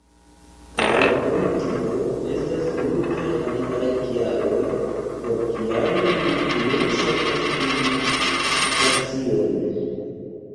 Kaj krom tio, estas multaj aliaj kialoj, por kial mi ne ŝatas uzi taksiojn.